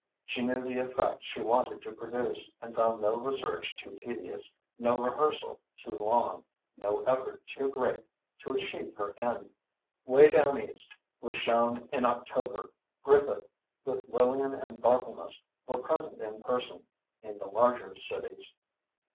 She knew the effect she wanted to produce, and found no research too tedious, no rehearsal too long—no effort too great, to achieve her end. "Way Down East" was shown in October. Griffith, with Lillian and Barthelmess, were present in person, in the larger cities.